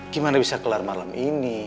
gimana bisa kelar malam ini